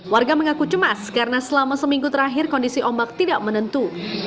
warga mengaku cemas karena selama seminggu terakhir kondisi ombak tidak menentu